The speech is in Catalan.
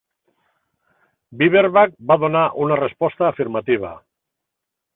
Bieberbach va donar una resposta afirmativa.